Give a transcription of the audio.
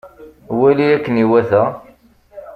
Wali akken iwata!